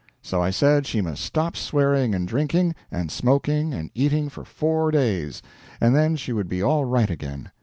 So I said she must stop swearing and drinking, and smoking and eating for four days, and then she would be all right again.